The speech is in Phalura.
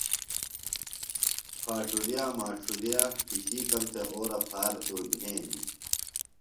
پھاٹُریہ، ماڇُھرِیہ پِشِیکم تھےۡ اورہ پھار اُربھینِم۔